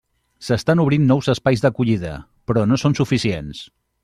S'estan obrint nous espais d'acollida, però no són suficients.